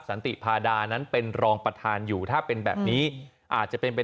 สันติพาดานั้นเป็นรองประธานอยู่ถ้าเป็นแบบนี้อาจจะเป็นเป็น